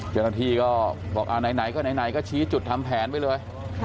จนาทีก็บอกเอาไหนก็ไหนก็ชี้จุดทำแผนไปเลย